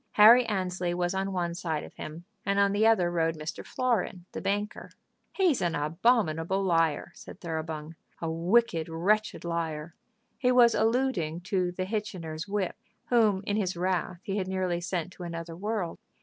Harry Annesley was on one side of him, and on the other rode Mr. Florin, the banker. "He's an abominable liar!" said Thoroughbung, "a wicked, wretched liar!" He was alluding to the Hitchiner's whip, whom in his wrath he had nearly sent to another world.